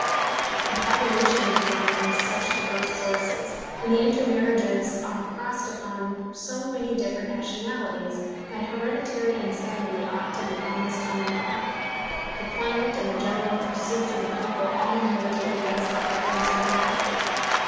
The population is drawn from such diverse sources, and the intermarriages are crossed upon so many different nationalities that hereditary insanity ought to be almost unknown. The climate and the general pursuits of the people all militate against the prevalence of the malady.